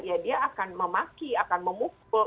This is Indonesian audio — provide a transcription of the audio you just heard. ya dia akan memaki akan memukul